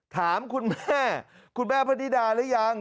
ถามคุณแม่คุณแม่พะนิดาหรือยัง